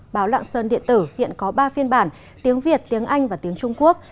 báo lạng sơn điện tử hiện có ba phiên bản tiếng việt tiếng anh và tiếng trung quốc